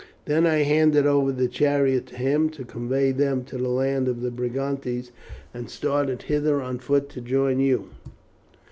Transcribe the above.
Then I handed over the chariot to him, to convey them to the land of the Brigantes, and started hither on foot to join you."